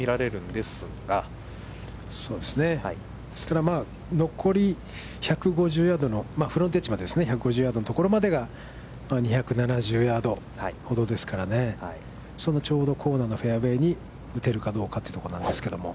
ですから、残り１５０ヤードのフロントエッジまで１６０ヤードのところが、２７０ヤードほどですからね、そのちょうどコーナーのフェアウェイに打てるかどうかということなんですけれども。